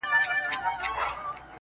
زه يې نور نه کوم، په تياره انتظار_